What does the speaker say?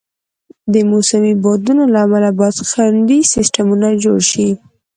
د موسمي بادونو له امله باید خنډي سیستمونه جوړ شي.